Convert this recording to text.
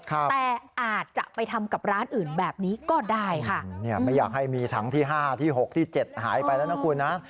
แต่อาจจะไปทำกับร้านอื่นแบบนี้ก็ได้ค่ะเนี่ยไม่อยากให้มีถังที่ห้าที่หกที่เจ็ดหายไปแล้วนะคุณนะ